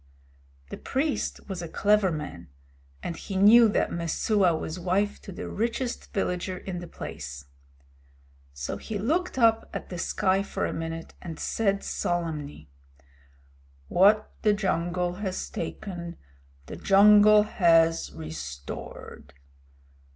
The priest was a clever man, and he knew that Messua was wife to the richest villager in the place. So he looked up at the sky for a minute and said solemnly: "What the jungle has taken the jungle has restored.